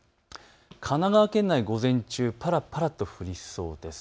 神奈川県内は午前中ぱらぱらと降りそうです。